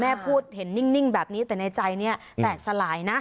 พูดเห็นนิ่งแบบนี้แต่ในใจเนี่ยแตกสลายนะ